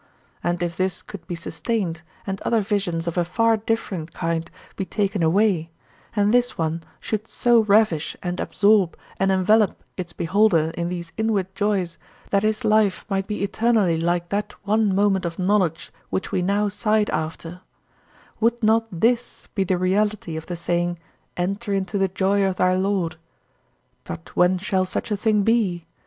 And if this could be sustained, and other visions of a far different kind be taken away, and this one should so ravish and absorb and envelop its beholder in these inward joys that his life might be eternally like that one moment of knowledge which we now sighed after would not this be the reality of the saying, 'Enter into the joy of thy Lord'? But when shall such a thing be?